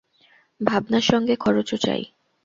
ভাবনার সঙ্গে খরচও চাই।